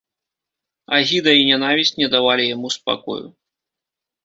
Агіда і нянавісць не давалі яму спакою.